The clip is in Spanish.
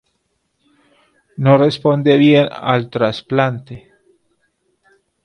No responde bien al trasplante.